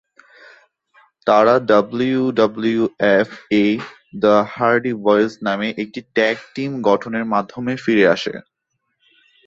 তারা ডাব্লিউডাব্লিউএফ এ the Hardy Boyz নামে একটি ট্যাগ টিম গঠনের মাধ্যমে ফিরে আসে।